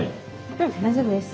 うん大丈夫です。